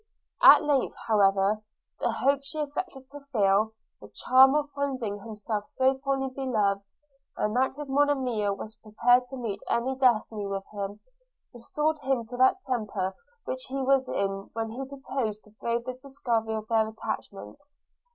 At length, however, the hope she affected to feel, the charm of finding himself so fondly beloved, and that his Monimia was prepared to meet any destiny with him, restored him to that temper which he was in when he proposed to brave the discovery of their attachment.